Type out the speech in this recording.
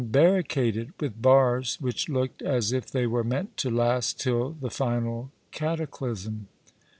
barricaded with bars which looked as if they were meant to last till the final cataclasm.